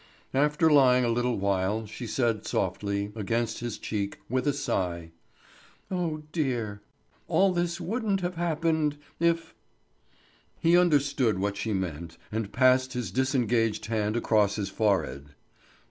After lying a little while, she said softly, against his cheek, with a sigh: "Oh dear! All this wouldn't have happened, if " He understood what she meant, and passed his disengaged hand across his forehead.